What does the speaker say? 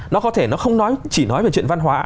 nó có thể nó không chỉ nói về chuyện văn hóa